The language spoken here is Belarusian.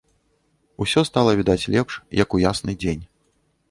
Усё стала відаць лепш, як у ясны дзень.